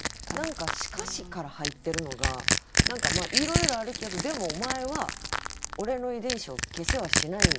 何か「しかし」から入ってるのがいろいろあるけどでもお前は俺の遺伝子を消せはしないんだ。